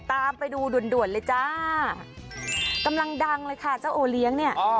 ตามไปดูด่วนด่วนเลยจ้ากำลังดังเลยค่ะเจ้าโอเลี้ยงเนี่ย